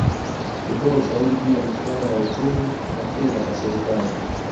Kutoa ushauri juu ya masuala ya uchumi na fedha kwa Serikali